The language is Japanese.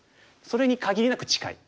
それに限りなく近い。